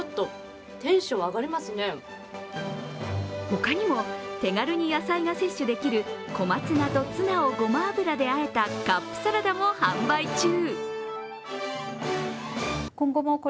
他にも、手軽に野菜が摂取できる小松菜とツナをごま油であえたカップサラダも販売中。